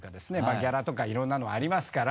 ギャラとかいろんなのありますから。